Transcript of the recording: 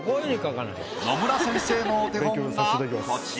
野村先生のお手本がこちら。